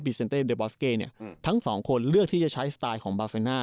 บิเซนเตเนเนี้ยทั้งสองคนเลือกที่จะใช้สไตล์ของ